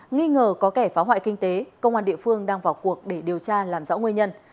nghi ngờ có kẻ phá hoại kinh tế công an địa phương đang vào cuộc để điều tra làm rõ nguyên nhân